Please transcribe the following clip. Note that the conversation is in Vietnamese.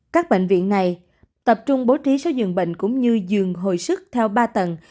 các bệnh viện này tập trung bố trí số dường bệnh cũng như dường hồi sức theo ba tầng